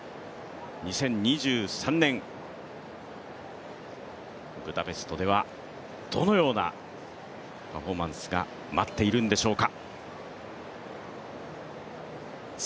２０２３年、ブダペストではどのようなパフォーマンスが待っているんでしょうか。